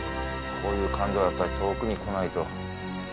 こういう感動はやっぱり遠くに来ないと。